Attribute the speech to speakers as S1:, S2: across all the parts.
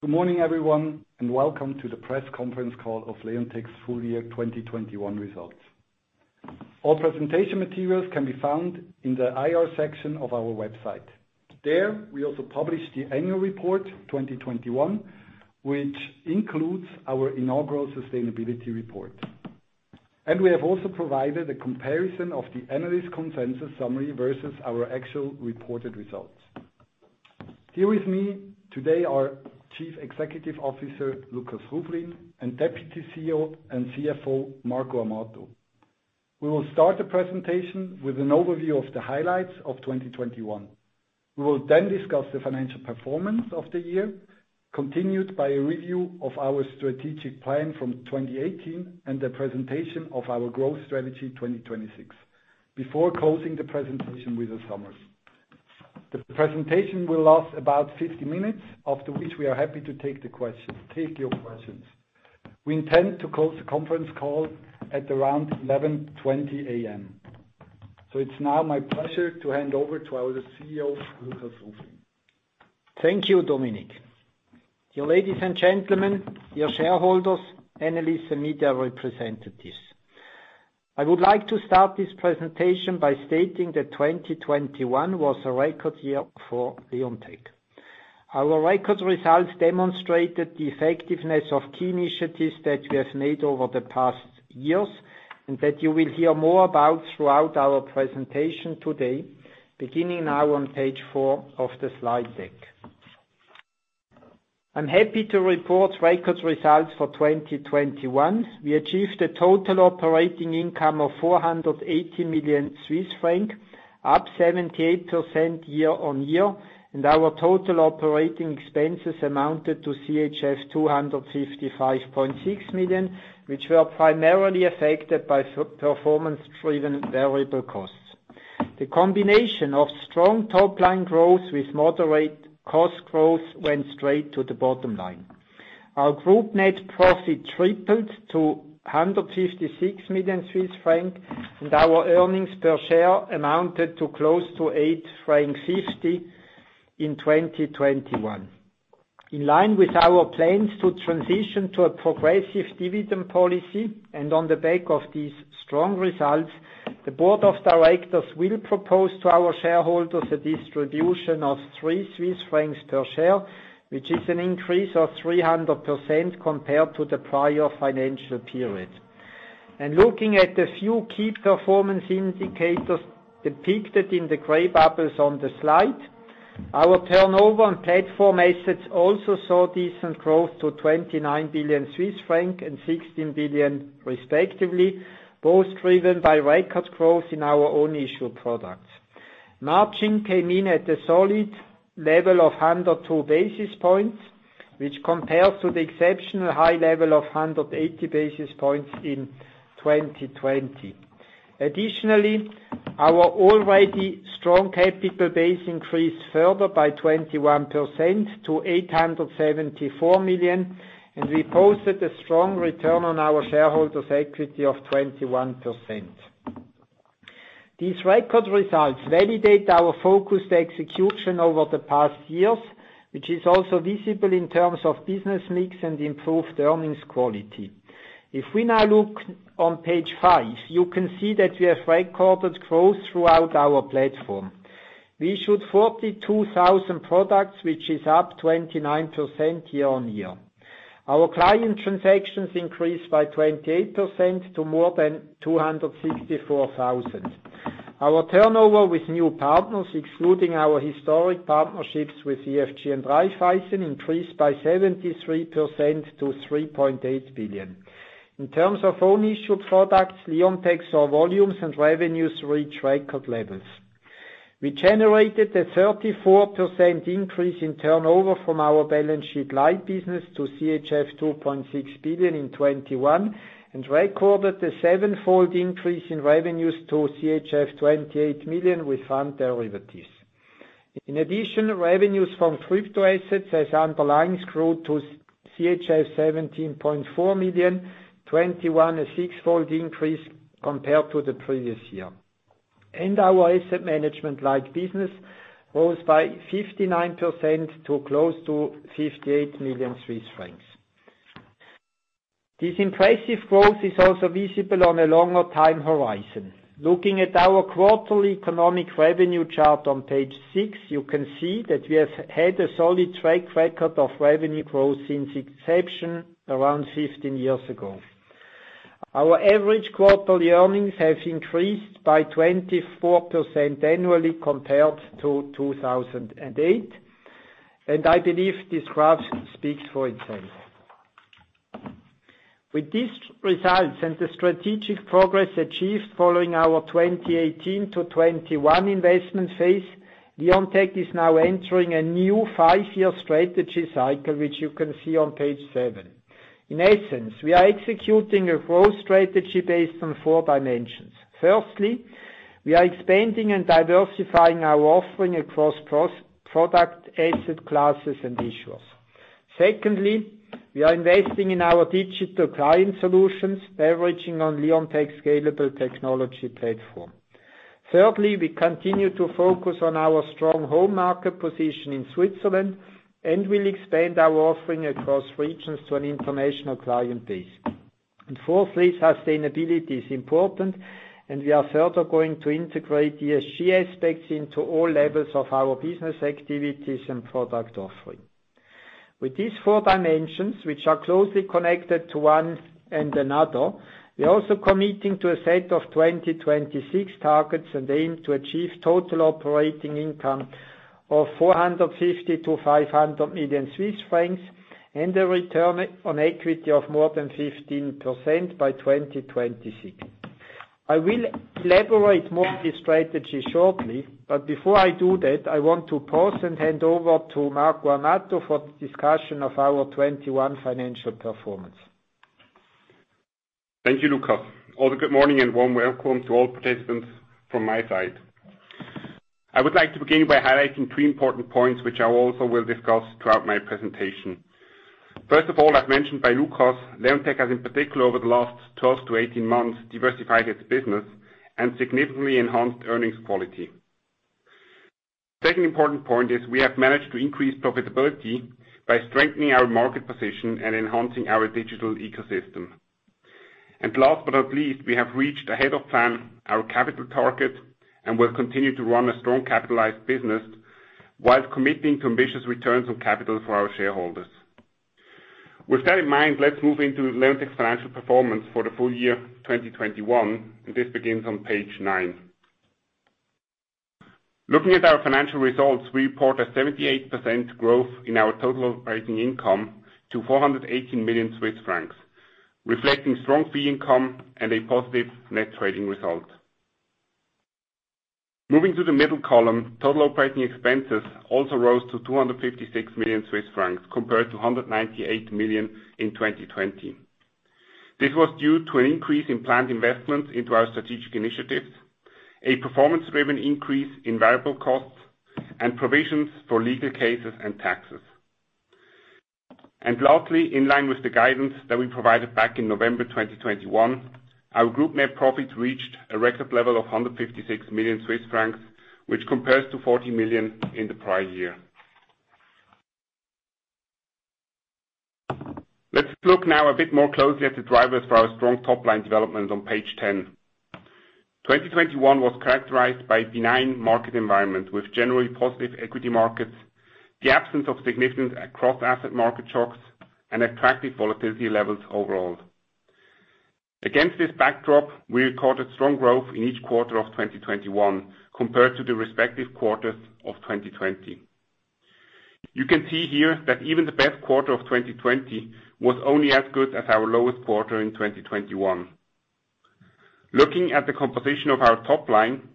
S1: Good morning, everyone, and welcome to the press conference call of Leonteq's full year 2021 results. All presentation materials can be found in the IR section of our website. There, we also publish the annual report 2021, which includes our inaugural sustainability report. We have also provided a comparison of the analyst consensus summary versus our actual reported results. Here with me today are Chief Executive Officer Lukas Ruflin and Deputy CEO and CFO Marco Amato. We will start the presentation with an overview of the highlights of 2021. We will then discuss the financial performance of the year, continued by a review of our strategic plan from 2018 and the presentation of our growth strategy 2026, before closing the presentation with the summaries. The presentation will last about 50 minutes, after which we are happy to take your questions. We intend to close the conference call at around 11:20 A.M. It's now my pleasure to hand over to our CEO, Lukas Ruflin.
S2: Thank you, Dominic. Dear ladies and gentlemen, dear shareholders, analysts and media representatives. I would like to start this presentation by stating that 2021 was a record year for Leonteq. Our record results demonstrated the effectiveness of key initiatives that we have made over the past years, and that you will hear more about throughout our presentation today, beginning now on page 4 of the slide deck. I'm happy to report record results for 2021. We achieved a total operating income of 480 million Swiss francs, up 78% year-on-year. Our total operating expenses amounted to CHF 255.6 million, which were primarily affected by performance-driven variable costs. The combination of strong top-line growth with moderate cost growth went straight to the bottom line. Our group net profit tripled to 156 million Swiss francs, and our earnings per share amounted to close to 8.50 francs in 2021. In line with our plans to transition to a progressive dividend policy, and on the back of these strong results, the board of directors will propose to our shareholders a distribution of 3 Swiss francs per share, which is an increase of 300% compared to the prior financial period. Looking at the few key performance indicators depicted in the gray bubbles on the slide, our turnover on platform assets also saw decent growth to 29 billion Swiss franc and 16 billion respectively, both driven by record growth in our own issued products. Margin came in at a solid level of 102 basis points, which compares to the exceptional high level of 180 basis points in 2020. Additionally, our already strong capital base increased further by 21% to 874 million, and we posted a strong return on our shareholders' equity of 21%. These record results validate our focused execution over the past years, which is also visible in terms of business mix and improved earnings quality. If we now look on page 5, you can see that we have recorded growth throughout our platform. We issued 42,000 products, which is up 29% year-on-year. Our client transactions increased by 28% to more than 264,000. Our turnover with new partners, excluding our historic partnerships with EFG and Raiffeisen, increased by 73% to 3.8 billion. In terms of own issued products, Leonteq saw volumes and revenues reach record levels. We generated a 34% increase in turnover from our balance sheet light business to CHF 2.6 billion in 2021, and recorded a sevenfold increase in revenues to CHF 28 million with fund derivatives. In addition, revenues from crypto assets as underlyings grew to CHF 17.4 million in 2021, a six-fold increase compared to the previous year. Our asset management like business rose by 59% to close to 58 million Swiss francs. This impressive growth is also visible on a longer time horizon. Looking at our quarterly economic revenue chart on page 6, you can see that we have had a solid track record of revenue growth since inception around 15 years ago. Our average quarterly earnings have increased by 24% annually compared to 2008, and I believe this graph speaks for itself. With these results and the strategic progress achieved following our 2018 to 2021 investment phase, Leonteq is now entering a new five-year strategy cycle, which you can see on page 7. In essence, we are executing a growth strategy based on four dimensions. Firstly, we are expanding and diversifying our offering across product asset classes and issuers. Secondly, we are investing in our digital client solutions, leveraging on Leonteq's scalable technology platform. Thirdly, we continue to focus on our strong home market position in Switzerland, and we'll expand our offering across regions to an international client base. Fourthly, sustainability is important, and we are further going to integrate the ESG aspects into all levels of our business activities and product offering. With these four dimensions, which are closely connected to one another, we're also committing to a set of 2026 targets and aim to achieve total operating income of 450 million-500 million Swiss francs and a return on equity of more than 15% by 2026. I will elaborate more on the strategy shortly, but before I do that, I want to pause and hand over to Marco Amato for the discussion of our 2021 financial performance.
S3: Thank you, Lukas. All the good morning and warm welcome to all participants from my side. I would like to begin by highlighting three important points which I also will discuss throughout my presentation. First of all, as mentioned by Lukas, Leonteq has in particular over the last 12-18 months diversified its business and significantly enhanced earnings quality. Second important point is we have managed to increase profitability by strengthening our market position and enhancing our digital ecosystem. Last but not least, we have reached ahead of plan our capital target and will continue to run a strongly capitalized business while committing to ambitious returns on capital for our shareholders. With that in mind, let's move into Leonteq's financial performance for the full year 2021, and this begins on page 9. Looking at our financial results, we report a 78% growth in our total operating income to 418 million Swiss francs, reflecting strong fee income and a positive net trading result. Moving to the middle column, total operating expenses also rose to 256 million Swiss francs compared to 198 million in 2020. This was due to an increase in planned investments into our strategic initiatives, a performance-driven increase in variable costs, and provisions for legal cases and taxes. Lastly, in line with the guidance that we provided back in November 2021, our group net profits reached a record level of 156 million Swiss francs, which compares to 40 million in the prior year. Let's look now a bit more closely at the drivers for our strong top-line development on page 10. 2021 was characterized by a benign market environment with generally positive equity markets, the absence of significant cross-asset market shocks, and attractive volatility levels overall. Against this backdrop, we recorded strong growth in each quarter of 2021 compared to the respective quarters of 2020. You can see here that even the best quarter of 2020 was only as good as our lowest quarter in 2021. Looking at the composition of our top line,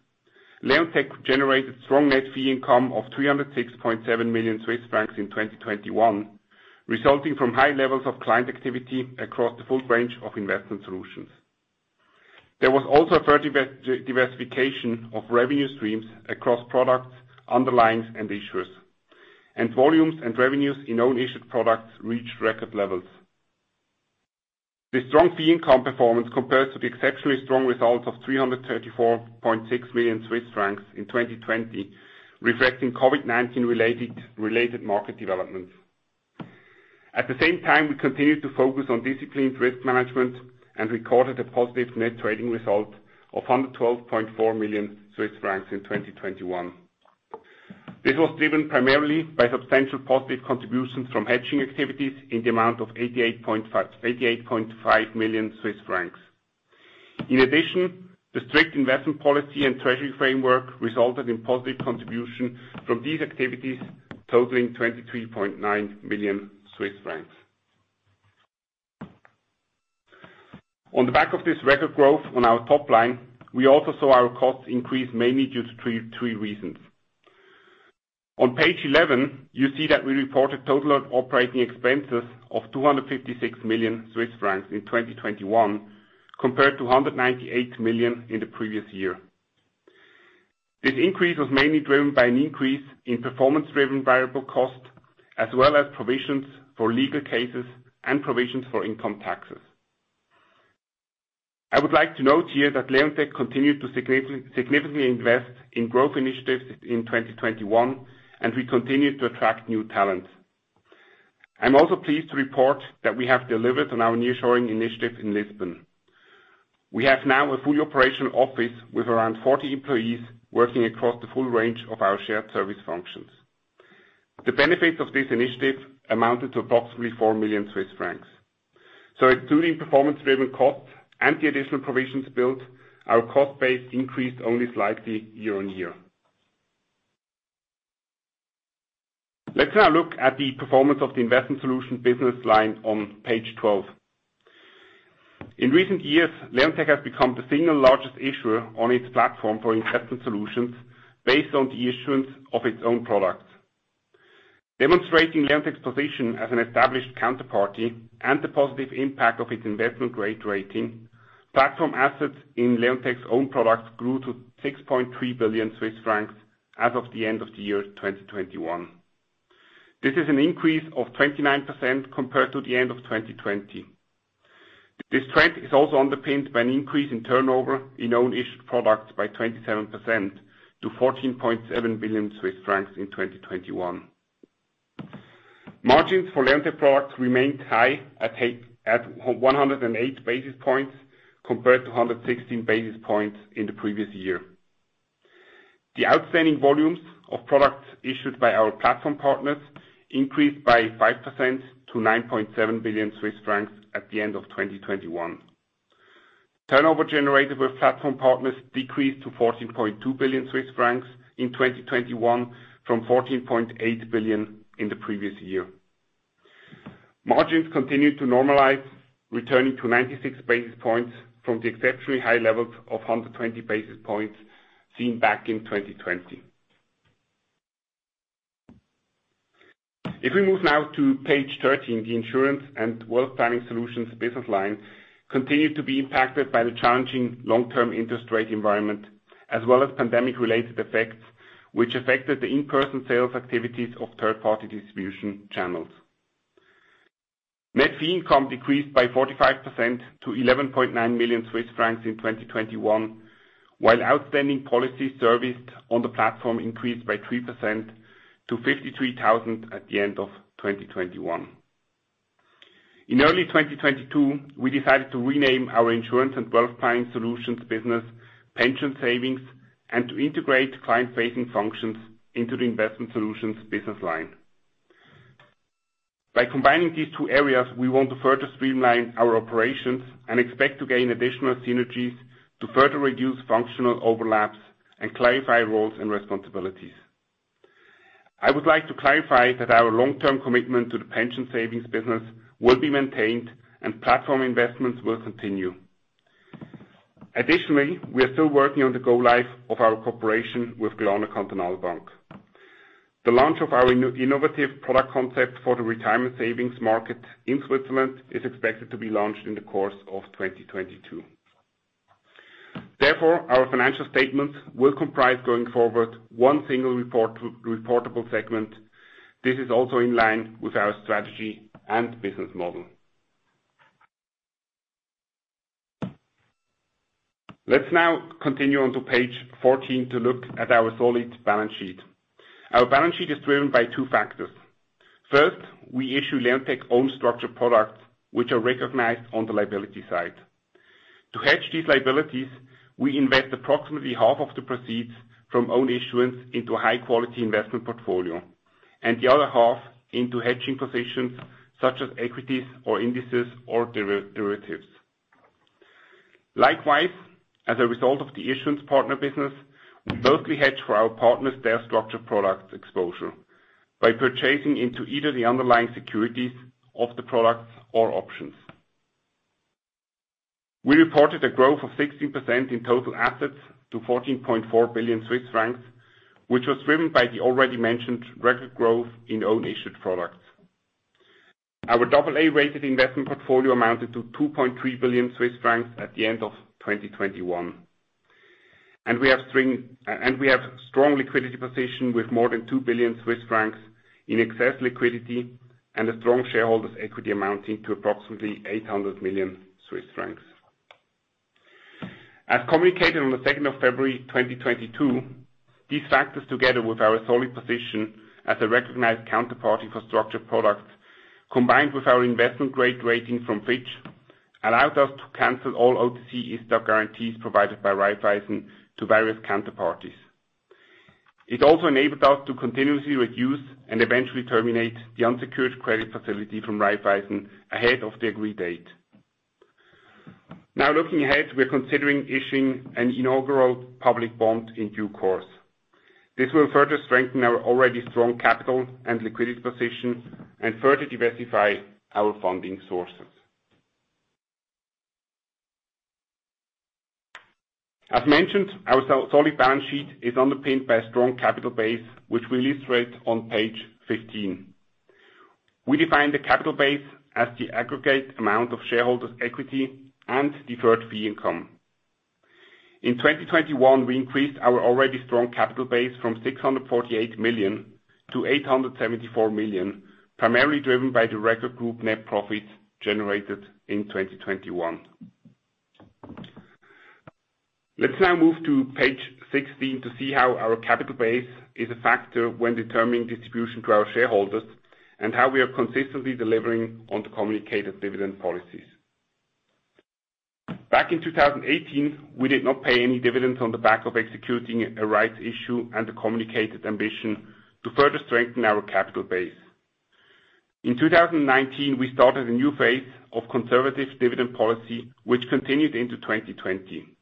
S3: Leonteq generated strong net fee income of 306.7 million Swiss francs in 2021, resulting from high levels of client activity across the full range of investment solutions. There was also a further diversification of revenue streams across products, underlyings, and issuers. Volumes and revenues in own issued products reached record levels. The strong fee income performance compares to the exceptionally strong results of 334.6 million Swiss francs in 2020, reflecting COVID-19 related market developments. At the same time, we continued to focus on disciplined risk management and recorded a positive net trading result of 112.4 million Swiss francs in 2021. This was driven primarily by substantial positive contributions from hedging activities in the amount of 88.5 million Swiss francs. In addition, the strict investment policy and treasury framework resulted in positive contribution from these activities totaling 23.9 million Swiss francs. On the back of this record growth on our top line, we also saw our costs increase mainly due to three reasons. On page eleven, you see that we reported total operating expenses of 256 million Swiss francs in 2021 compared to 198 million in the previous year. This increase was mainly driven by an increase in performance-driven variable costs as well as provisions for legal cases and provisions for income taxes. I would like to note here that Leonteq continued to significantly invest in growth initiatives in 2021, and we continued to attract new talent. I'm also pleased to report that we have delivered on our nearshoring initiative in Lisbon. We have now a fully operational office with around 40 employees working across the full range of our shared service functions. The benefits of this initiative amounted to approximately 4 million Swiss francs. Including performance-driven costs and the additional provisions built, our cost base increased only slightly year-on-year. Let's now look at the performance of the investment solution business line on page 12. In recent years, Leonteq has become the single largest issuer on its platform for investment solutions based on the issuance of its own products. Demonstrating Leonteq's position as an established counterparty and the positive impact of its investment-grade rating, platform assets in Leonteq's own products grew to 6.3 billion Swiss francs as of the end of 2021. This is an increase of 29% compared to the end of 2020. This trend is also underpinned by an increase in turnover in own issued products by 27% to 14.7 billion Swiss francs in 2021. Margins for Leonteq products remained high at 108 basis points compared to 116 basis points in the previous year. The outstanding volumes of products issued by our platform partners increased by 5% to 9.7 billion Swiss francs at the end of 2021. Turnover generated with platform partners decreased to 14.2 billion Swiss francs in 2021 from 14.8 billion in the previous year. Margins continued to normalize, returning to 96 basis points from the exceptionally high levels of 120 basis points seen back in 2020. If we move now to page 13, the Insurance and Wealth Planning Solutions business line continued to be impacted by the challenging long-term interest rate environment, as well as pandemic-related effects, which affected the in-person sales activities of third-party distribution channels. Net fee income decreased by 45% to 11.9 million Swiss francs in 2021, while outstanding policies serviced on the platform increased by 3% to 53,000 at the end of 2021. In early 2022, we decided to rename our Insurance & Wealth Planning Solutions business, Pension Savings, and to integrate client-facing functions into the investment solutions business line. By combining these two areas, we want to further streamline our operations and expect to gain additional synergies to further reduce functional overlaps and clarify roles and responsibilities. I would like to clarify that our long-term commitment to the pension savings business will be maintained and platform investments will continue. Additionally, we are still working on the go live of our cooperation with Cornèr Bank. The launch of our innovative product concept for the retirement savings market in Switzerland is expected to be launched in the course of 2022. Therefore, our financial statements will comprise going forward one single reportable segment. This is also in line with our strategy and business model. Let's now continue on to page 14 to look at our solid balance sheet. Our balance sheet is driven by two factors. First, we issue Leonteq own structured products which are recognized on the liability side. To hedge these liabilities, we invest approximately half of the proceeds from own issuance into a high-quality investment portfolio, and the other half into hedging positions such as equities or indices or derivatives. Likewise, as a result of the issuance partner business, we mostly hedge for our partners their structured products exposure by purchasing into either the underlying securities of the products or options. We reported a growth of 16% in total assets to 14.4 billion Swiss francs, which was driven by the already mentioned record growth in own issued products. Our double-A rated investment portfolio amounted to 2.3 billion Swiss francs at the end of 2021. We have strong liquidity position with more than 2 billion Swiss francs in excess liquidity and a strong shareholders' equity amounting to approximately 800 million Swiss francs. As communicated on February 2, 2022, these factors, together with our solid position as a recognized counterparty for structured products, combined with our investment grade rating from Fitch, allowed us to cancel all OTC stock guarantees provided by Raiffeisen to various counterparties. It also enabled us to continuously reduce and eventually terminate the unsecured credit facility from Raiffeisen ahead of the agreed date. Now, looking ahead, we're considering issuing an inaugural public bond in due course. This will further strengthen our already strong capital and liquidity position and further diversify our funding sources. As mentioned, our solid balance sheet is underpinned by a strong capital base, which we illustrate on page 15. We define the capital base as the aggregate amount of shareholders' equity and deferred fee income. In 2021, we increased our already strong capital base from 648 million to 874 million, primarily driven by the record group net profits generated in 2021. Let's now move to page 16 to see how our capital base is a factor when determining distribution to our shareholders and how we are consistently delivering on the communicated dividend policies. Back in 2018, we did not pay any dividends on the back of executing a rights issue and the communicated ambition to further strengthen our capital base. In 2019, we started a new phase of conservative dividend policy, which continued into 2020.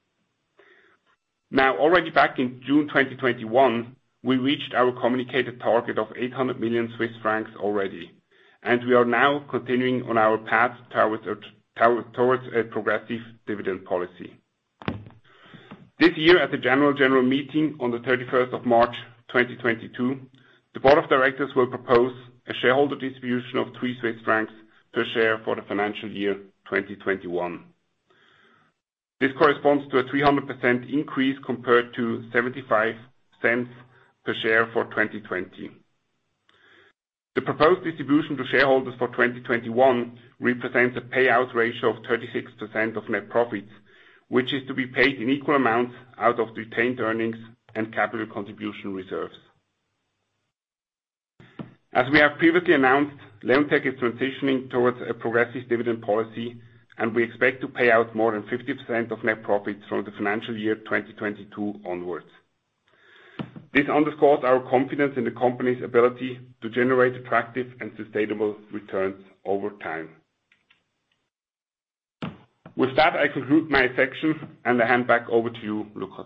S3: Now, already back in June 2021, we reached our communicated target of 800 million Swiss francs already, and we are now continuing on our path towards a progressive dividend policy. This year, at the General Meeting on the 31st of March 2022, the board of directors will propose a shareholder distribution of 3 Swiss francs per share for the financial year 2021. This corresponds to a 300% increase compared to 0.75 per share for 2020. The proposed distribution to shareholders for 2021 represents a payout ratio of 36% of net profits, which is to be paid in equal amounts out of retained earnings and capital contribution reserves. As we have previously announced, Leonteq is transitioning towards a progressive dividend policy, and we expect to pay out more than 50% of net profits from the financial year 2022 onwards. This underscores our confidence in the company's ability to generate attractive and sustainable returns over time. With that, I conclude my section and I hand back over to you, Lukas.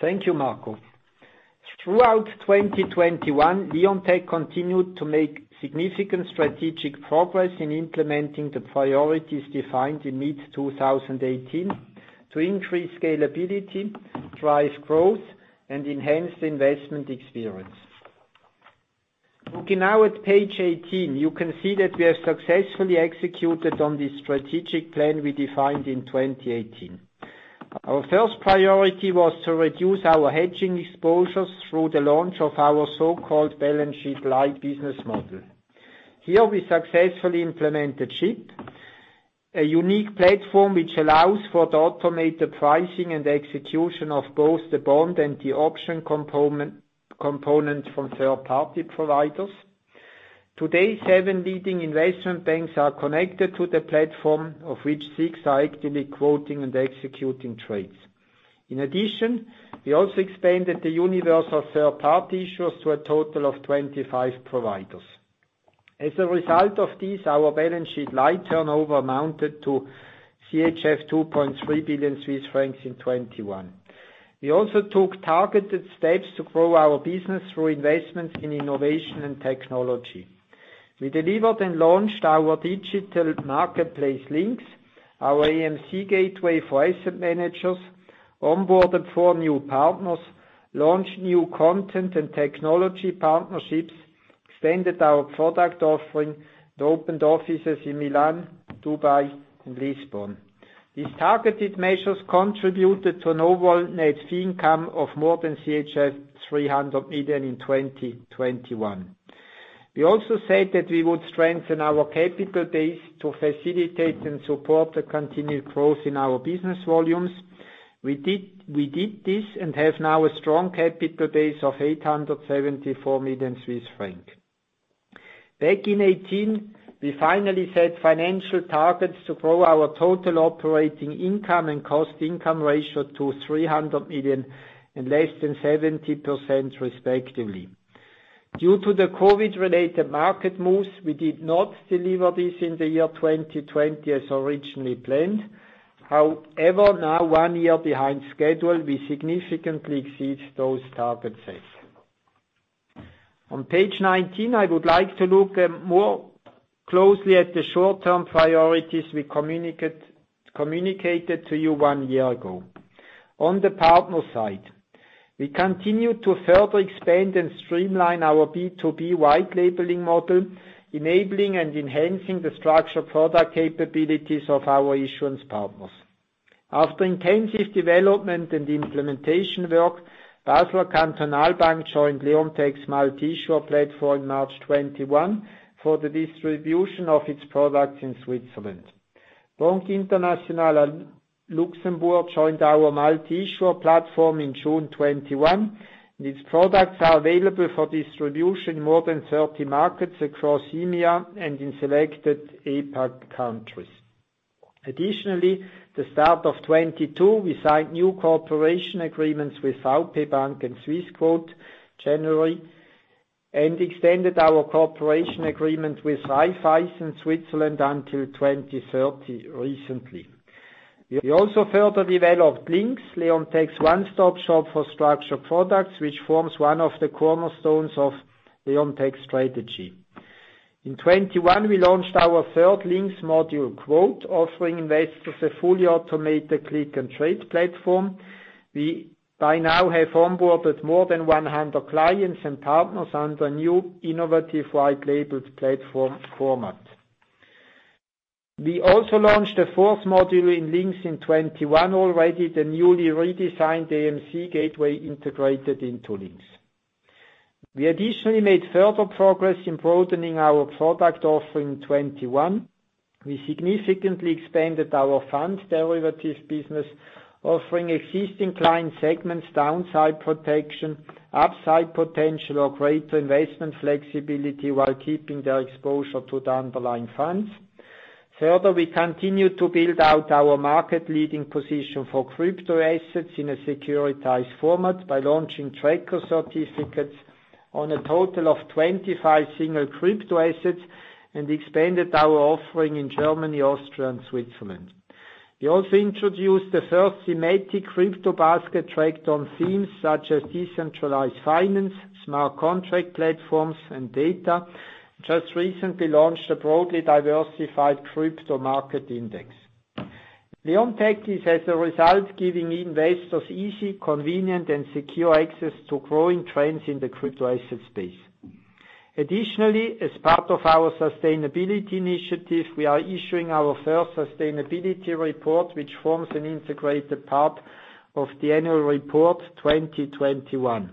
S2: Thank you, Marco. Throughout 2021, Leonteq continued to make significant strategic progress in implementing the priorities defined in mid-2018 to increase scalability, drive growth, and enhance the investment experience. Looking now at page 18, you can see that we have successfully executed on the strategic plan we defined in 2018. Our first priority was to reduce our hedging exposures through the launch of our so-called balance sheet light business model. Here we successfully implemented SHIP, a unique platform which allows for the automated pricing and execution of both the bond and the option component from third-party providers. Today, 7 leading investment banks are connected to the platform, of which 6 are actively quoting and executing trades. In addition, we also expanded the universe of third-party issuers to a total of 25 providers. As a result of this, our balance sheet light turnover amounted to 2.3 billion Swiss francs in 2021. We also took targeted steps to grow our business through investments in innovation and technology. We delivered and launched our digital marketplace LynQs, our AMC gateway for asset managers, onboarded four new partners, launched new content and technology partnerships, extended our product offering, and opened offices in Milan, Dubai, and Lisbon. These targeted measures contributed to an overall net fee income of more than CHF 300 million in 2021. We also said that we would strengthen our capital base to facilitate and support the continued growth in our business volumes. We did this and have now a strong capital base of 874 million Swiss francs. Back in 2018, we finally set financial targets to grow our total operating income and cost income ratio to 300 million and less than 70% respectively. Due to the COVID-related market moves, we did not deliver this in the year 2020 as originally planned. However, now one year behind schedule, we significantly exceed those target sets. On page 19, I would like to look more closely at the short-term priorities we communicated to you one year ago. On the partner side, we continue to further expand and streamline our B2B white labeling model, enabling and enhancing the structured product capabilities of our issuance partners. After intensive development and implementation work, Basler Kantonalbank joined Leonteq's multi-issuer platform in March 2021 for the distribution of its products in Switzerland. Banque Internationale à Luxembourg joined our multi-issuer platform in June 2021, and its products are available for distribution in more than 30 markets across EMEA and in selected APAC countries. Additionally, at the start of 2022, we signed new cooperation agreements with VP Bank and Swissquote in January, and extended our cooperation agreement with Raiffeisen Switzerland until 2030 recently. We also further developed LynQs, Leonteq's one-stop shop for structured products, which forms one of the cornerstones of Leonteq's strategy. In 2021, we launched our third LynQs module quote, offering investors a fully automated click and trade platform. We by now have onboarded more than 100 clients and partners under new innovative white-labeled platform format. We also launched a fourth module in LynQs in 2021 already, the newly redesigned AMC gateway integrated into LynQs. We additionally made further progress in broadening our product offering in 2021. We significantly expanded our fund derivatives business, offering existing client segments downside protection, upside potential, or greater investment flexibility while keeping their exposure to the underlying funds. Further, we continue to build out our market-leading position for crypto assets in a securitized format by launching tracker certificates on a total of 25 single crypto assets, and expanded our offering in Germany, Austria, and Switzerland. We also introduced the first thematic crypto basket tracked on themes such as decentralized finance, smart contract platforms, and data. We just recently launched a broadly diversified crypto market index. Leonteq is as a result giving investors easy, convenient, and secure access to growing trends in the crypto asset space. Additionally, as part of our sustainability initiative, we are issuing our first sustainability report, which forms an integrated part of the annual report 2021.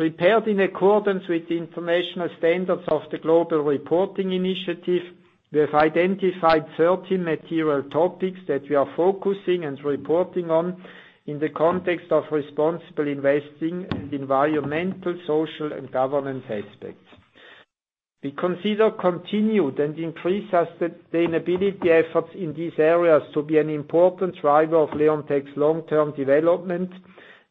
S2: Prepared in accordance with the international standards of the Global Reporting Initiative. We have identified certain material topics that we are focusing and reporting on in the context of responsible investing and environmental, social, and governance aspects. We consider continued and increased sustainability efforts in these areas to be an important driver of Leonteq's long-term development.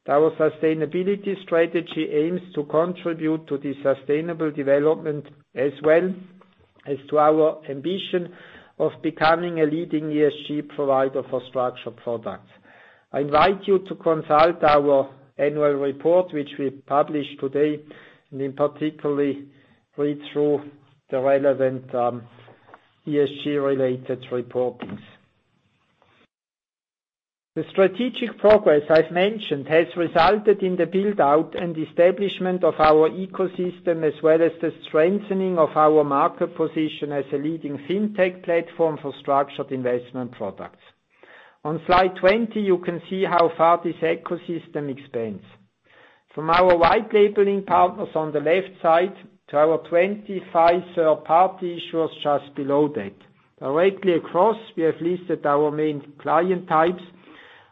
S2: Our sustainability strategy aims to contribute to the sustainable development as well as to our ambition of becoming a leading ESG provider for structured products. I invite you to consult our annual report, which we published today, and in particular read through the relevant ESG-related reporting. The strategic progress I've mentioned has resulted in the build-out and establishment of our ecosystem, as well as the strengthening of our market position as a leading fintech platform for structured investment products. On slide 20, you can see how far this ecosystem expands. From our white-labeling partners on the left side to our 25 third-party issuers just below that. Directly across, we have listed our main client types,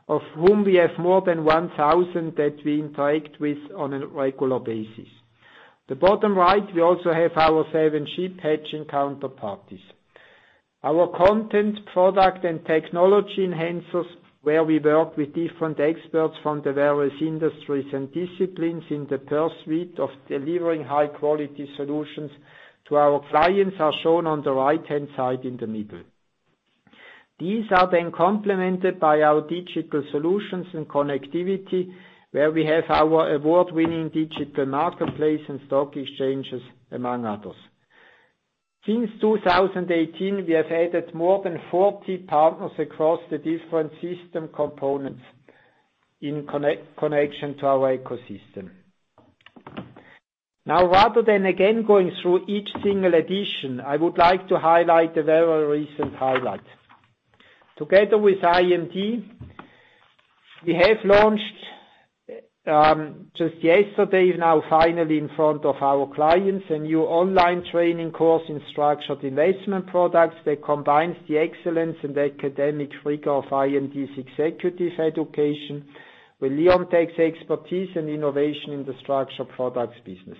S2: of whom we have more than 1,000 that we interact with on a regular basis. The bottom right, we also have our 7 SHIP hedging counterparties. Our content, product, and technology enhancers, where we work with different experts from the various industries and disciplines in the pursuit of delivering high-quality solutions to our clients, are shown on the right-hand side in the middle. These are then complemented by our digital solutions and connectivity, where we have our award-winning digital marketplace and stock exchanges, among others. Since 2018, we have added more than 40 partners across the different system components in connection to our ecosystem. Now, rather than again going through each single addition, I would like to highlight a very recent highlight. Together with IMD, we have launched just yesterday, now finally in front of our clients, a new online training course in structured investment products that combines the excellence and academic rigor of IMD's executive education with Leonteq's expertise and innovation in the structured products business.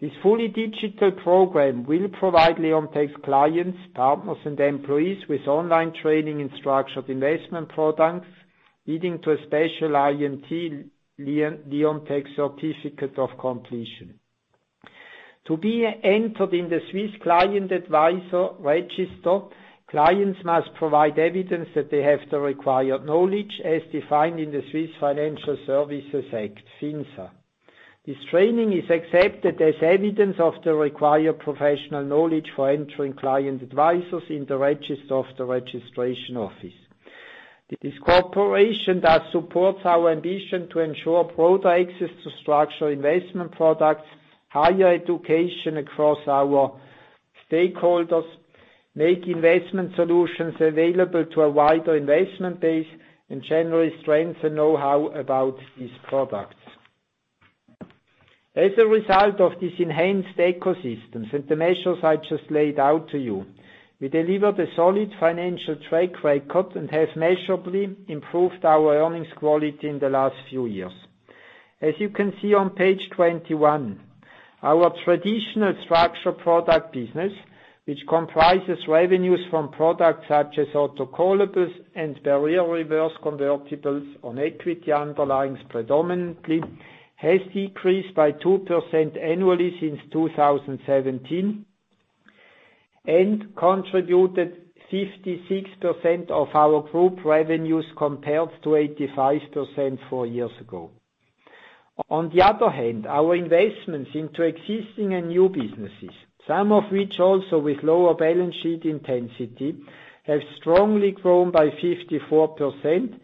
S2: This fully digital program will provide Leonteq's clients, partners, and employees with online training in structured investment products, leading to a special IMD-Leonteq certificate of completion. To be entered in the Swiss Client Adviser Register, clients must provide evidence that they have the required knowledge as defined in the Swiss Financial Services Act, FinSA. This training is accepted as evidence of the required professional knowledge for entering client advisors in the register of the registration office. This cooperation that supports our ambition to ensure broader access to structured investment products, higher education across our stakeholders, make investment solutions available to a wider investment base, and generally strengthen know-how about these products. As a result of this enhanced ecosystems and the measures I just laid out to you, we delivered a solid financial track record and have measurably improved our earnings quality in the last few years. As you can see on page 21, our traditional structured product business, which comprises revenues from products such as autocallables and barrier reverse convertibles on equity underlyings predominantly, has decreased by 2% annually since 2017, and contributed 56% of our group revenues compared to 85% four years ago. On the other hand, our investments into existing and new businesses, some of which also with lower balance sheet intensity, have strongly grown by 54%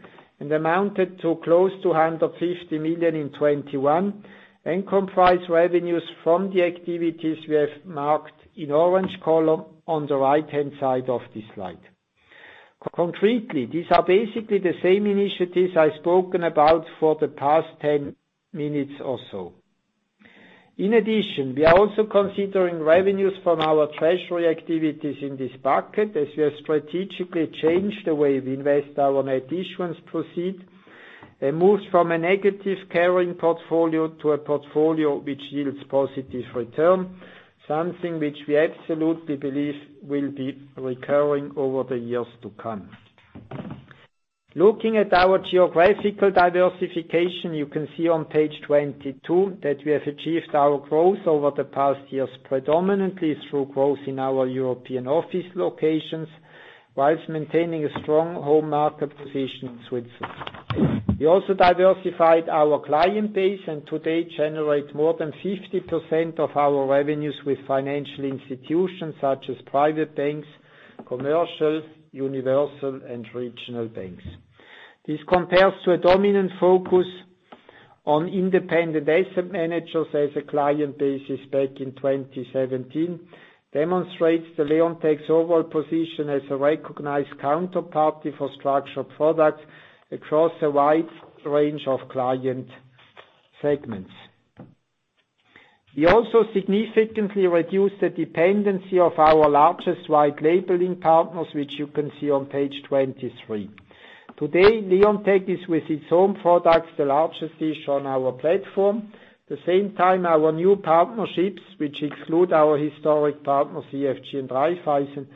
S2: and amounted to close to 150 million in 2021, and comprise revenues from the activities we have marked in orange color on the right-hand side of this slide. Concretely, these are basically the same initiatives I've spoken about for the past 10 minutes or so. In addition, we are also considering revenues from our treasury activities in this bucket as we have strategically changed the way we invest our net issuance proceeds. It moves from a negative carrying portfolio to a portfolio which yields positive return, something which we absolutely believe will be recurring over the years to come. Looking at our geographical diversification, you can see on page 22 that we have achieved our growth over the past years, predominantly through growth in our European office locations, while maintaining a strong home market position in Switzerland. We also diversified our client base and today generate more than 50% of our revenues with financial institutions such as private banks, commercial, universal, and regional banks. This compares to a dominant focus on independent asset managers as a client base back in 2017, demonstrates Leonteq's overall position as a recognized counterparty for structured products across a wide range of client segments. We also significantly reduced the dependency on our largest white labeling partners, which you can see on page 23. Today, Leonteq is with its own products, the largest issuer on our platform. the same time, our new partnerships, which exclude our historic partner, EFG and Raiffeisen,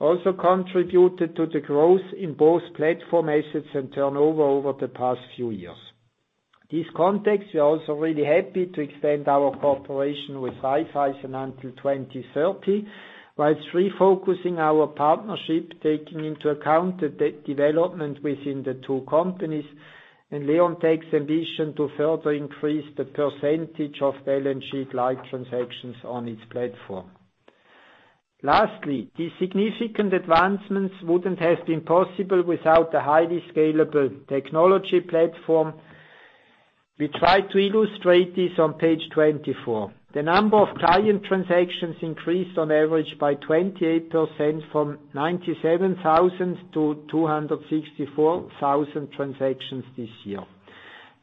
S2: also contributed to the growth in both platform assets and turnover over the past few years. In this context, we are also really happy to extend our cooperation with Raiffeisen until 2030, while refocusing our partnership, taking into account the developments within the two companies, and Leonteq's ambition to further increase the percentage of balance sheet light transactions on its platform. Lastly, these significant advancements wouldn't have been possible without the highly scalable technology platform. We try to illustrate this on page 24. The number of client transactions increased on average by 28% from 97,000 to 264,000 transactions this year.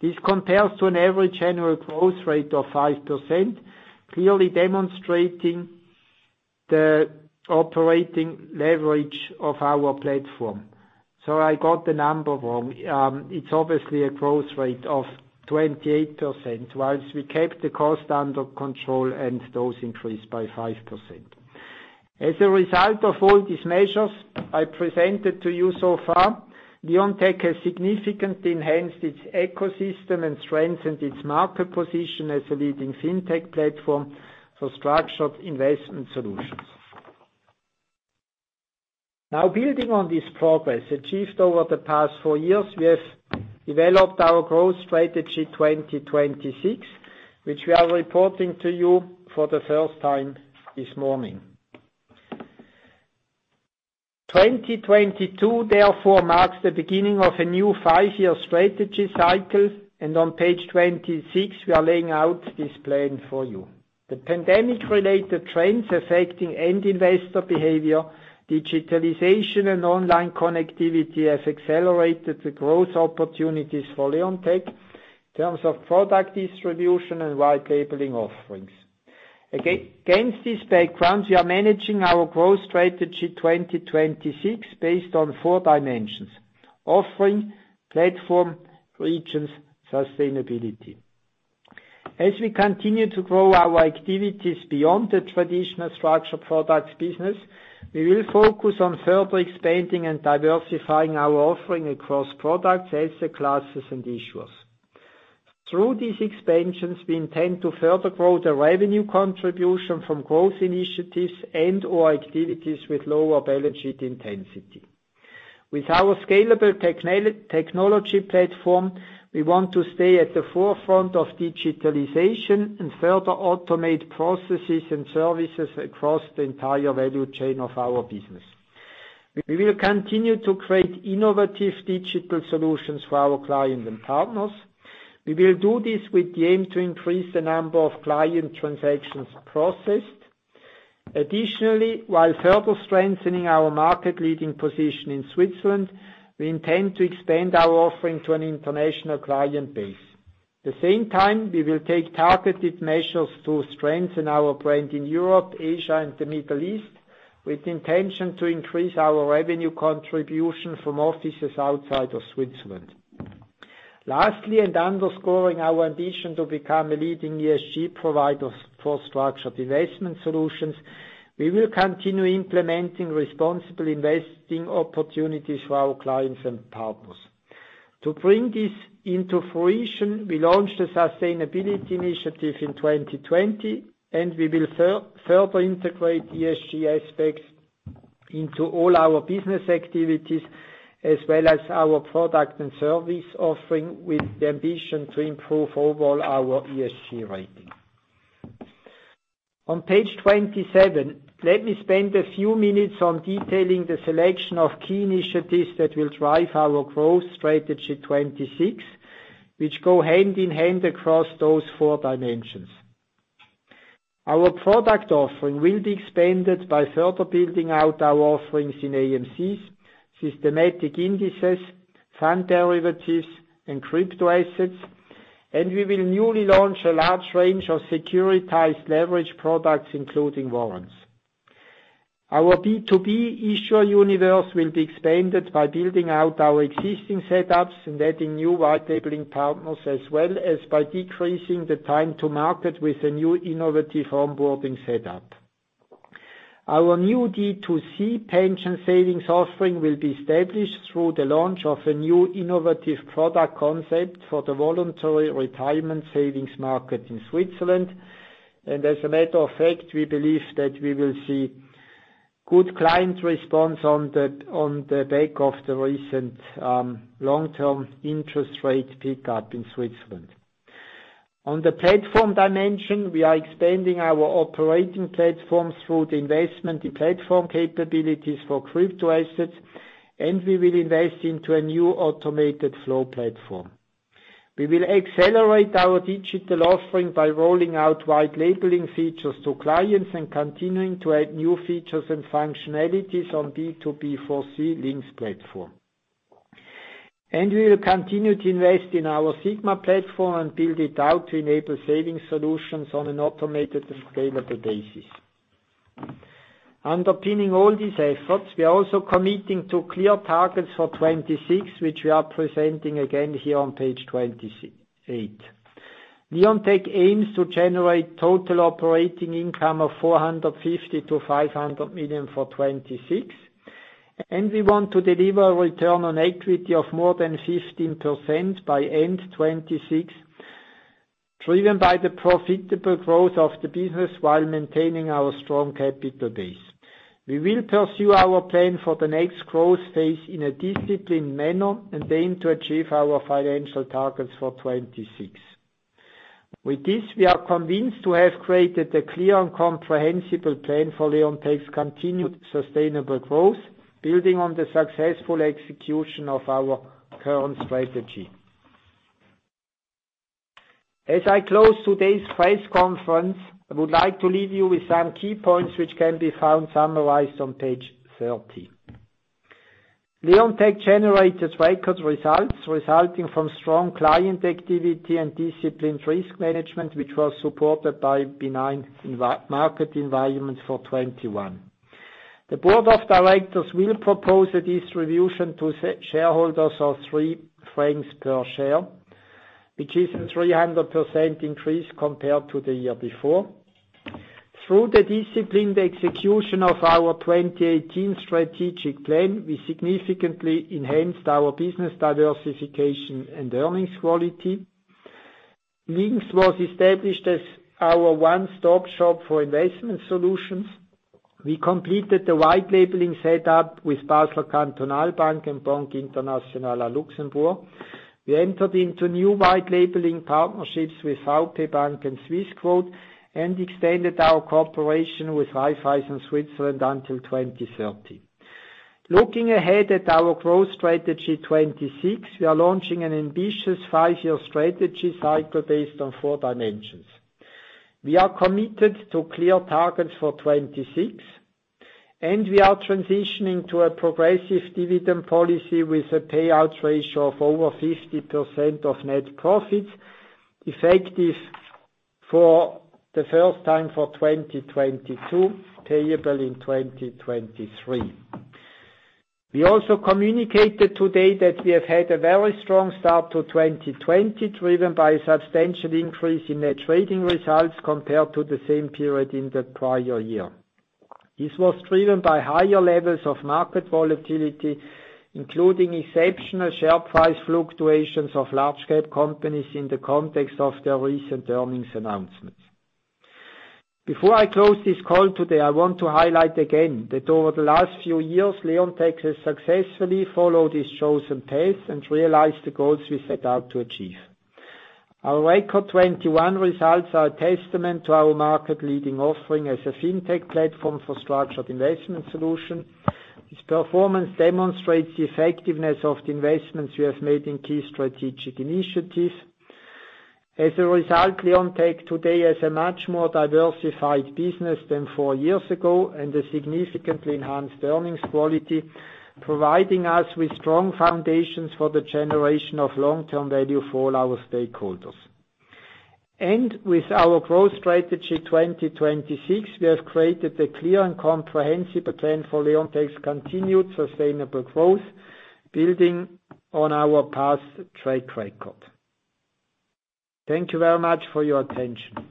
S2: This compares to an average annual growth rate of 5%, clearly demonstrating the operating leverage of our platform. I got the number wrong. It's obviously a growth rate of 28%, while we kept the cost under control and those increased by 5%. As a result of all these measures I presented to you so far, Leonteq has significantly enhanced its ecosystem and strengthened its market position as a leading Fintech platform for structured investment solutions. Now, building on this progress achieved over the past four years, we have developed our growth strategy 2026, which we are reporting to you for the first time this morning. 2022, therefore, marks the beginning of a new five-year strategy cycle, and on page 26, we are laying out this plan for you. The pandemic-related trends affecting end investor behavior, digitalization, and online connectivity has accelerated the growth opportunities for Leonteq in terms of product distribution and white labeling offerings. Against this background, we are managing our growth strategy 2026 based on four dimensions: offering, platform, regions, sustainability. As we continue to grow our activities beyond the traditional structured products business, we will focus on further expanding and diversifying our offering across products, asset classes and issuers. Through these expansions, we intend to further grow the revenue contribution from growth initiatives and/or activities with lower balance sheet intensity. With our scalable technology platform, we want to stay at the forefront of digitalization and further automate processes and services across the entire value chain of our business. We will continue to create innovative digital solutions for our clients and partners. We will do this with the aim to increase the number of client transactions processed. Additionally, while further strengthening our market-leading position in Switzerland, we intend to extend our offering to an international client base. At the same time, we will take targeted measures to strengthen our brand in Europe, Asia, and the Middle East, with intention to increase our revenue contribution from offices outside of Switzerland. Lastly, and underscoring our ambition to become a leading ESG provider for structured investment solutions, we will continue implementing responsible investing opportunities for our clients and partners. To bring this into fruition, we launched a sustainability initiative in 2020, and we will further integrate ESG aspects into all our business activities as well as our product and service offering with the ambition to improve overall our ESG rating. On page 27, let me spend a few minutes on detailing the selection of key initiatives that will drive our growth strategy 2026, which go hand in hand across those four dimensions. Our product offering will be expanded by further building out our offerings in AMCs, systematic indices, fund derivatives, and crypto assets, and we will newly launch a large range of securitized leverage products, including warrants. Our B2B issuer universe will be expanded by building out our existing setups and adding new white labeling partners, as well as by decreasing the time to market with a new innovative onboarding setup. Our new D2C pension savings offering will be established through the launch of a new innovative product concept for the voluntary retirement savings market in Switzerland. As a matter of fact, we believe that we will see good client response on the back of the recent long-term interest rate pickup in Switzerland. On the platform dimension, we are expanding our operating platforms through the investment in platform capabilities for crypto assets, and we will invest into a new automated flow platform. We will accelerate our digital offering by rolling out white labeling features to clients and continuing to add new features and functionalities on LynQs platform. We will continue to invest in our SIGMA platform and build it out to enable saving solutions on an automated and scalable basis. Underpinning all these efforts, we are also committing to clear targets for 2026, which we are presenting again here on page 28. Leonteq aims to generate total operating income of 450 million-500 million for 2026. We want to deliver return on equity of more than 15% by end 2026, driven by the profitable growth of the business while maintaining our strong capital base. We will pursue our plan for the next growth phase in a disciplined manner, and then to achieve our financial targets for 2026. With this, we are convinced to have created a clear and comprehensible plan for Leonteq's continued sustainable growth, building on the successful execution of our current strategy. As I close today's press conference, I would like to leave you with some key points which can be found summarized on page 30. Leonteq generated record results resulting from strong client activity and disciplined risk management, which was supported by benign market environment for 2021. The board of directors will propose a distribution to shareholders of 3 francs per share, which is a 300% increase compared to the year before. Through the disciplined execution of our 2018 strategic plan, we significantly enhanced our business diversification and earnings quality. LynQs was established as our one-stop shop for investment solutions. We completed the white labeling set up with Basler Kantonalbank and Banque Internationale à Luxembourg. We entered into new white labeling partnerships with VP Bank and Swissquote, and extended our cooperation with Raiffeisen Switzerland until 2030. Looking ahead at our growth strategy 2026, we are launching an ambitious five-year strategy cycle based on 4 dimensions. We are committed to clear targets for 2026, and we are transitioning to a progressive dividend policy with a payout ratio of over 50% of net profits, effective for the first time for 2022, payable in 2023. We also communicated today that we have had a very strong start to 2023, driven by a substantial increase in net trading results compared to the same period in the prior year. This was driven by higher levels of market volatility, including exceptional share price fluctuations of large scale companies in the context of their recent earnings announcements. Before I close this call today, I want to highlight again that over the last few years, Leonteq has successfully followed its chosen path and realized the goals we set out to achieve. Our record 2021 results are a testament to our market-leading offering as a fintech platform for structured investment solution. This performance demonstrates the effectiveness of the investments we have made in key strategic initiatives. As a result, Leonteq today has a much more diversified business than four years ago and a significantly enhanced earnings quality, providing us with strong foundations for the generation of long-term value for all our stakeholders. With our growth strategy, 2026, we have created a clear and comprehensive plan for Leonteq's continued sustainable growth, building on our past track record. Thank you very much for your attention.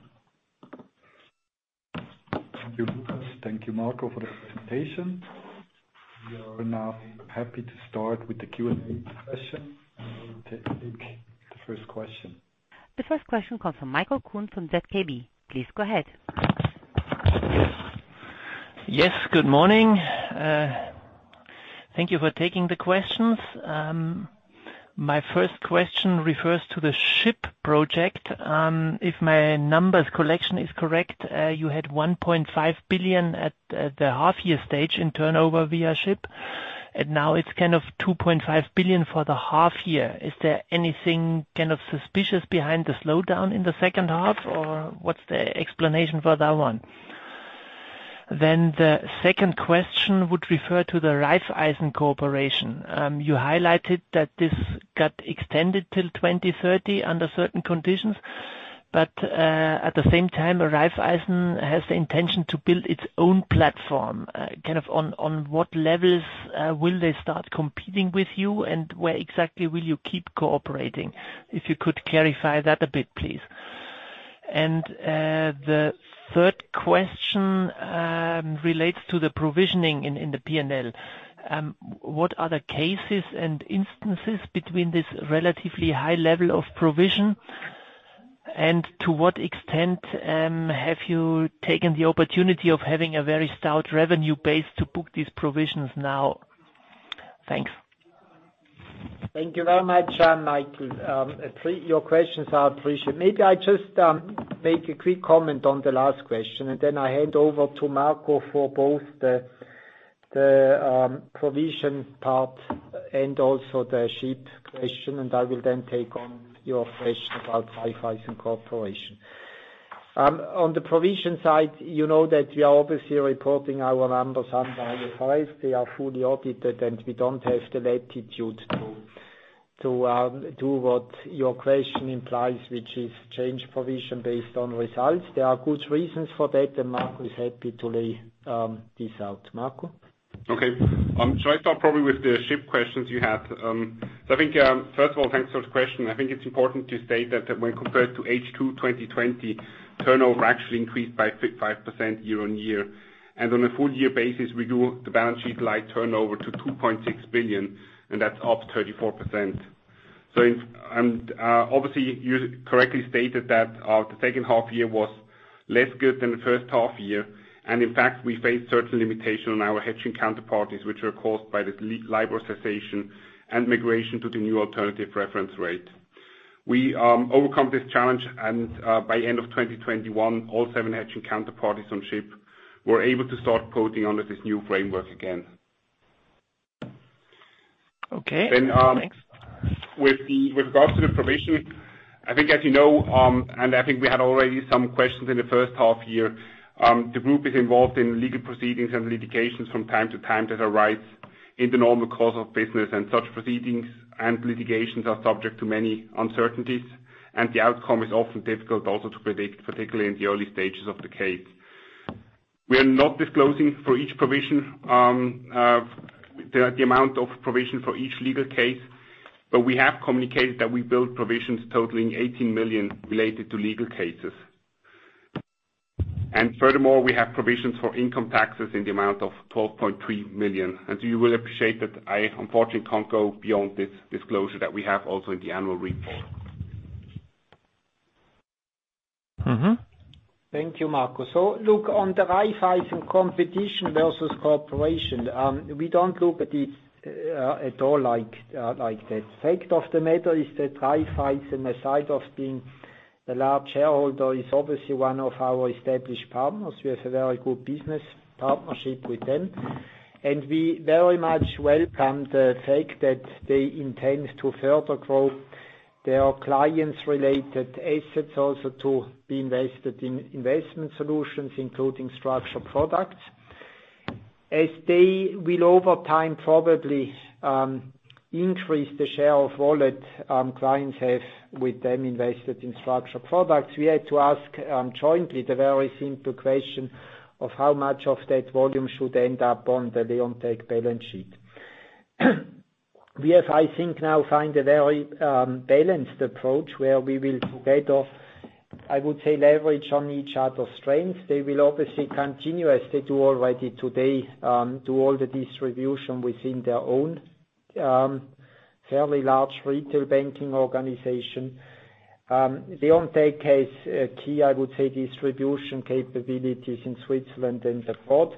S1: Thank you, Lukas. Thank you, Marco, for the presentation. We are now happy to start with the Q&A session. I will take the first question.
S4: The first question comes from Michael Kuhn from ZKB. Please go ahead. Yes. Good morning. Thank you for taking the questions. My first question refers to the SHIP project. If my numbers collection is correct, you had 1.5 billion at the half year stage in turnover via SHIP, and now it's kind of 2.5 billion for the half year. Is there anything kind of suspicious behind the slowdown in the H2, or what's the explanation for that one? The second question would refer to the Raiffeisen cooperation. You highlighted that this got extended till 2030 under certain conditions. At the same time, Raiffeisen has the intention to build its own platform. Kind of on what levels will they start competing with you, and where exactly will you keep cooperating?
S5: If you could clarify that a bit, please. The third question relates to the provisioning in the P&L. What are the cases and instances between this relatively high level of provision? To what extent have you taken the opportunity of having a very stout revenue base to book these provisions now? Thanks.
S2: Thank you very much, Michael. Your questions are appreciated. Maybe I just make a quick comment on the last question, and then I hand over to Marco for both the provision part and also the SHIP question, and I will then take on your question about Raiffeisen cooperation. On the provision side, you know that we are obviously reporting our numbers under IFRS. They are fully audited, and we don't have the latitude to do what your question implies, which is change provision based on results. There are good reasons for that, and Marco is happy to lay this out. Marco?
S3: Okay. Shall I start probably with the SHIP questions you had? So I think, first of all, thanks for the question. I think it's important to state that when compared to H2 2020, turnover actually increased by 5% year-on-year. On a full year basis, we grew the balance sheet-light turnover to 2.6 billion, and that's up 34%. Obviously, you correctly stated that the H2-year was less good than the H1-year. In fact, we faced certain limitations on our hedging counterparties, which were caused by the LIBOR cessation and migration to the new alternative reference rate. We overcome this challenge, and by end of 2021, all seven hedging counterparties on SHIP were able to start quoting under this new framework again. Okay. Then, thanks. With regards to the provision, I think as you know, and I think we had already some questions in the H1 year, the group is involved in legal proceedings and litigations from time to time that arise in the normal course of business, and such proceedings and litigations are subject to many uncertainties, and the outcome is often difficult also to predict, particularly in the early stages of the case. We are not disclosing for each provision, the amount of provision for each legal case, but we have communicated that we build provisions totaling 18 million related to legal cases. Furthermore, we have provisions for income taxes in the amount of 12.3 million. You will appreciate that I unfortunately can't go beyond this disclosure that we have also in the annual report.
S2: Thank you, Marco. Look, on the Raiffeisen competition versus cooperation, we don't look at it at all like that. Fact of the matter is that Raiffeisen, aside of being a large shareholder, is obviously one of our established partners. We have a very good business partnership with them, and we very much welcome the fact that they intend to further grow their clients' related assets also to be invested in investment solutions, including structured products. As they will over time, probably, increase the share of wallet clients have with them invested in structured products, we had to ask jointly the very simple question of how much of that volume should end up on the Leonteq balance sheet. We have, I think, now find a very balanced approach where we will together, I would say, leverage on each other's strengths. They will obviously continuously do already today all the distribution within their own fairly large retail banking organization. Leonteq has a key, I would say, distribution capabilities in Switzerland and abroad.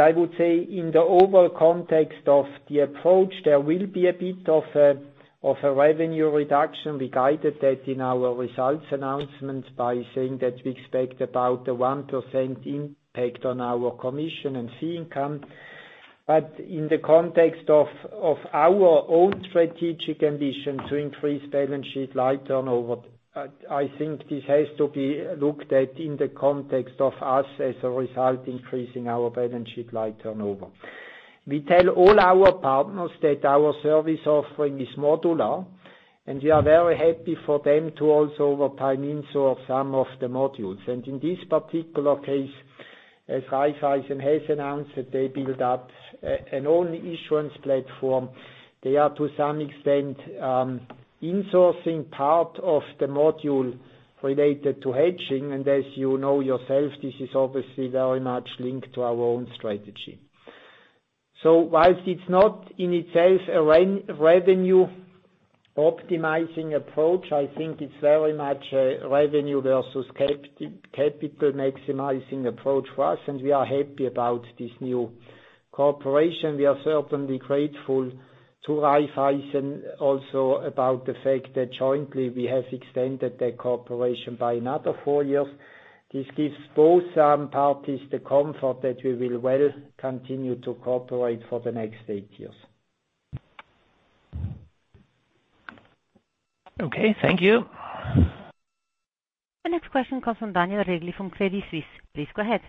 S2: I would say in the overall context of the approach, there will be a bit of a revenue reduction. We guided that in our results announcements by saying that we expect about a 1% impact on our commission and fee income. In the context of our own strategic ambition to increase balance sheet light turnover, I think this has to be looked at in the context of us as a result increasing our balance sheet light turnover. We tell all our partners that our service offering is modular, and we are very happy for them to also over time in-source some of the modules. In this particular case, as Raiffeisen has announced that they build up an own issuance platform, they are to some extent insourcing part of the module related to hedging. As you know yourself, this is obviously very much linked to our own strategy. While it's not in itself a revenue optimizing approach, I think it's very much a revenue versus capital maximizing approach for us, and we are happy about this new cooperation. We are certainly grateful to Raiffeisen also about the fact that jointly we have extended the cooperation by another four years. This gives both parties the comfort that we will well continue to cooperate for the next eight years.
S3: Okay, thank you.
S4: The next question comes from Daniel Regli from. Please go ahead.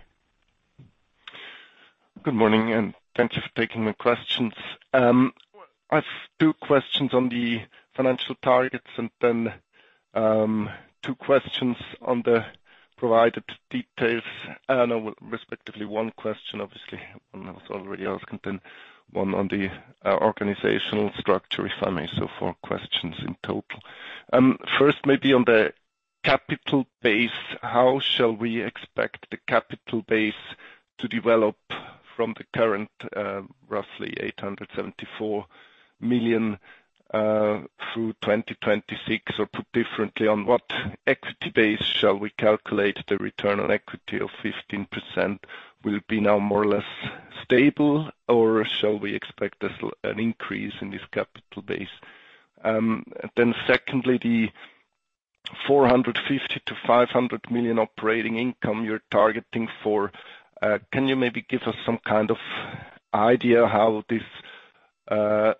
S6: Good morning, and thank you for taking the questions. I've two questions on the financial targets and then, two questions on the provided details. No, respectively, one question, obviously. One was already asked, and then one on the, organizational structure, if I may. Four questions in total. First maybe on the capital base, how shall we expect the capital base to develop from the current, roughly 874 million, through 2026? Or put differently, on what equity base shall we calculate the return on equity of 15%? Will it be now more or less stable, or shall we expect this, an increase in this capital base? Secondly, the 450 million-500 million operating income you're targeting for, can you maybe give us some kind of idea how this is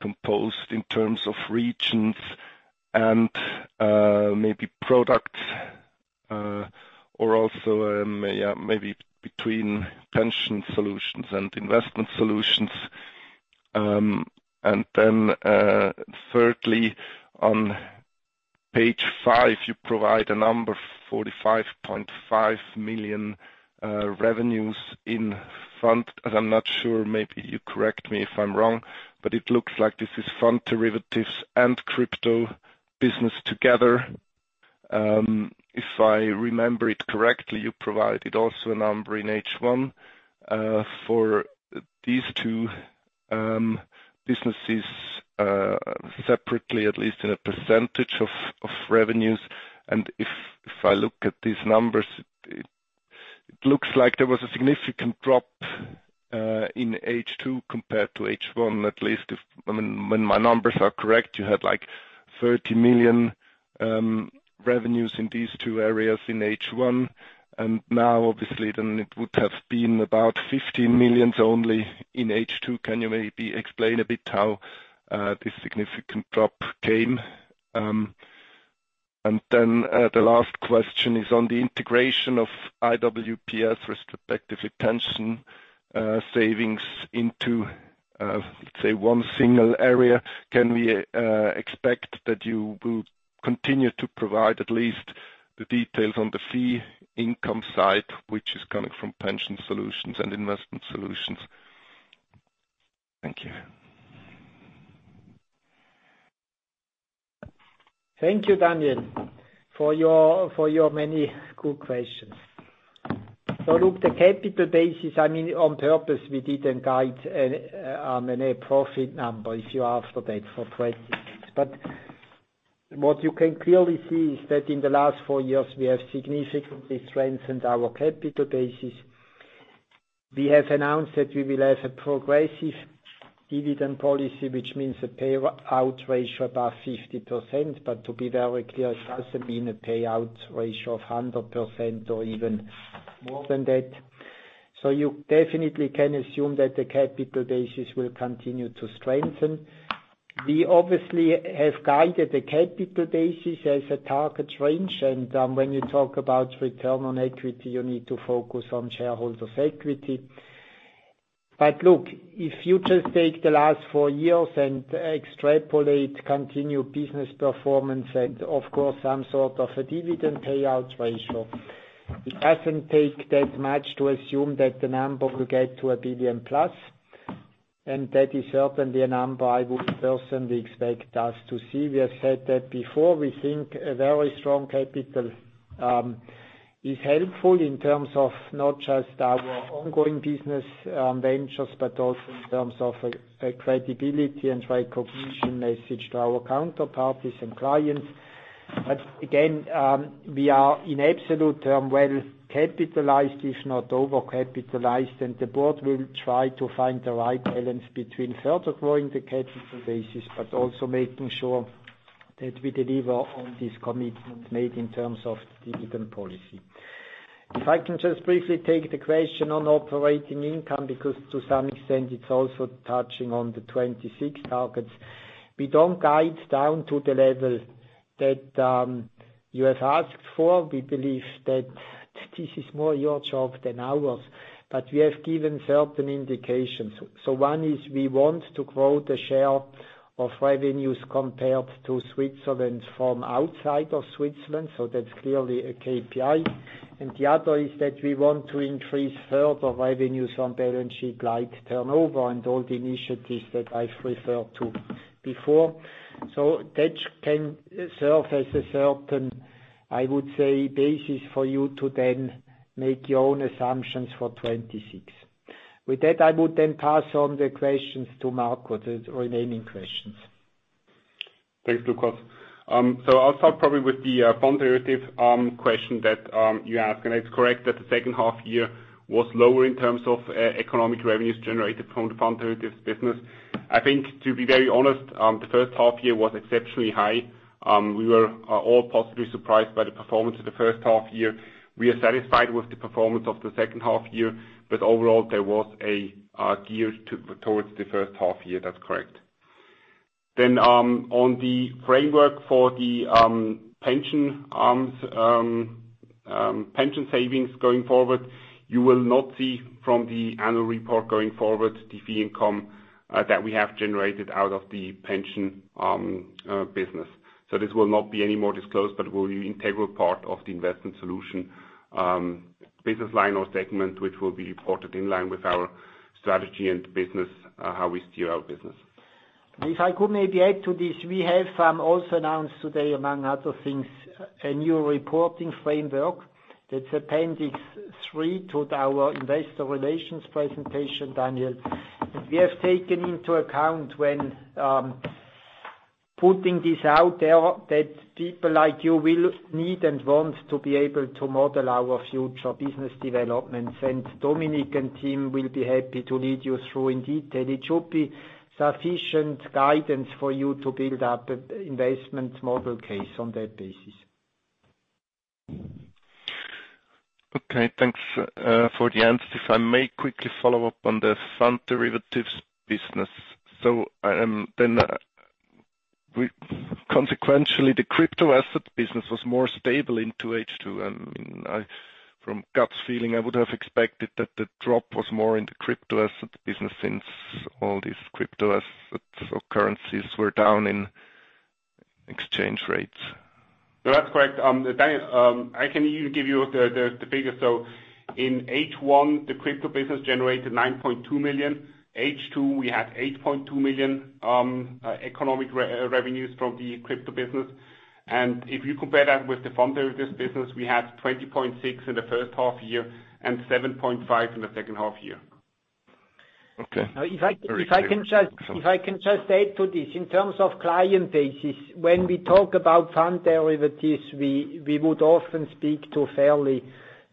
S6: composed in terms of regions and, maybe products, or also, yeah, maybe between pension solutions and investment solutions. Thirdly, on page five, you provide a number 45.5 million revenues in front. I'm not sure, maybe you correct me if I'm wrong, but it looks like this is fund derivatives and crypto business together. If I remember it correctly, you provided also a number in H1 for these two businesses separately, at least in a percentage of revenues. If I look at these numbers, it looks like there was a significant drop in H2 compared to H1, at least, I mean, when my numbers are correct, you had, like, 30 million revenues in these two areas in H1, and now obviously then it would have been about 15 million only in H2. Can you maybe explain a bit how this significant drop came? Then, the last question is on the integration of IWPS retrospective retention savings into, say, one single area. Can we expect that you will continue to provide at least the details on the fee income side, which is coming from pension solutions and investment solutions? Thank you.
S2: Thank you, Daniel, for your many good questions. Look, the capital basis, I mean, on purpose, we didn't guide a net profit number, if you ask for that for predictions. What you can clearly see is that in the last four years, we have significantly strengthened our capital basis. We have announced that we will have a progressive dividend policy, which means a payout ratio above 50%. To be very clear, it doesn't mean a payout ratio of 100% or even more than that. You definitely can assume that the capital basis will continue to strengthen. We obviously have guided the capital basis as a target range, and when you talk about return on equity, you need to focus on shareholders' equity. Look, if you just take the last four years and extrapolate continued business performance and of course some sort of a dividend payout ratio, it doesn't take that much to assume that the number will get to 1 billion plus, and that is certainly a number I would personally expect us to see. We have said that before. We think a very strong capital is helpful in terms of not just our ongoing business ventures, but also in terms of a credibility and recognition message to our counterparties and clients. Again, we are in absolute terms well-capitalized, if not over-capitalized. The board will try to find the right balance between further growing the capital basis but also making sure that we deliver on this commitment made in terms of dividend policy. If I can just briefly take the question on operating income, because to some extent it's also touching on the 2026 targets. We don't guide down to the level that you have asked for. We believe that this is more your job than ours, but we have given certain indications. One is we want to grow the share of revenues compared to Switzerland from outside of Switzerland, so that's clearly a KPI. The other is that we want to increase further revenues on balance sheet-like turnover and all the initiatives that I've referred to before. That can serve as a certain, I would say, basis for you to then make your own assumptions for 2026. With that, I would then pass on the questions to Marco, the remaining questions.
S3: Thanks, Lukas. I'll start probably with the fund derivatives question that you asked, and it's correct that the H2 year was lower in terms of economic revenues generated from the fund derivatives business. I think, to be very honest, the H1 year was exceptionally high. We were all positively surprised by the performance of the H1 year. We are satisfied with the performance of the H2 year, but overall, there was a gear towards the H1 year. That's correct. On the framework for the pension arm's pension savings going forward, you will not see from the annual report going forward the fee income that we have generated out of the pension business. This will not be any more disclosed but will be integral part of the investment solution, business line or segment, which will be reported in line with our strategy and business, how we steer our business.
S2: If I could maybe add to this. We have also announced today, among other things, a new reporting framework. That's appendix 3 to our investor relations presentation, Daniel. We have taken into account when putting this out there, that people like you will need and want to be able to model our future business developments, and Dominic and team will be happy to lead you through in detail. It should be sufficient guidance for you to build up investment model case on that basis.
S6: Okay, thanks for the answers. If I may quickly follow up on the fund derivatives business. Consequentially, the crypto asset business was more stable in 2H. From gut feeling, I would have expected that the drop was more in the crypto asset business since all these crypto assets or currencies were down in exchange rates.
S3: No, that's correct, Daniel. In H1, the crypto business generated 9.2 million. In H2, we had 8.2 million economic revenues from the crypto business. If you compare that with the fund derivatives business, we had 20.6 million in the H1 year and 7.5 million in the H2 year.
S6: Okay.
S2: If I can just add to this. In terms of client basis, when we talk about fund derivatives, we would often speak to fairly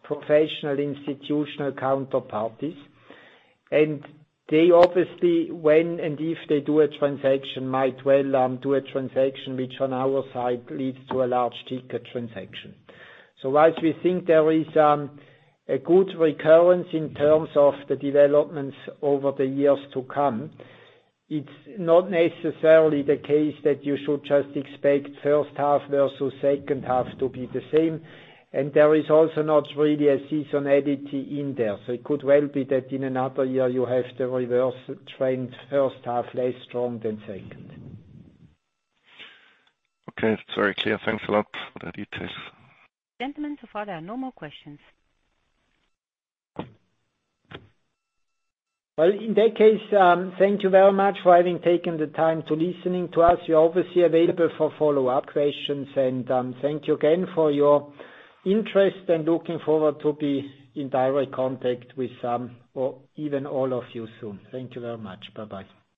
S2: professional institutional counterparties. They obviously, when and if they do a transaction, might well do a transaction which on our side leads to a large ticket transaction. Whilst we think there is a good recurrence in terms of the developments over the years to come, it's not necessarily the case that you should just expect H1 versus H2 to be the same. There is also not really a seasonality in there. It could well be that in another year you have the reverse trend, H1 less strong than second.
S6: Okay, it's very clear. Thanks a lot for the details.
S1: Gentlemen, so far there are no more questions.
S2: Well, in that case, thank you very much for having taken the time to listening to us. We are obviously available for follow-up questions and, thank you again for your interest and looking forward to be in direct contact with some or even all of you soon. Thank you very much. Bye-bye.